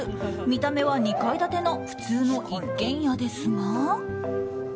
見た目は２階建ての普通の一軒家ですが。